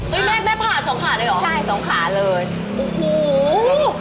เฮ้ยแม่ผ่าสองขาเลยเหรอ